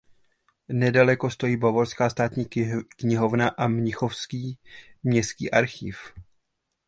Nedaleko stojí Bavorská státní knihovna a Mnichovský městský archiv.